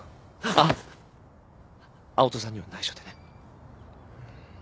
あっ青砥さんには内緒でね。